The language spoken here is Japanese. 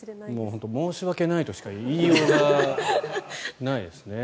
本当、申し訳ないとしか言いようがないですね。